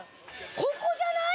ここじゃない？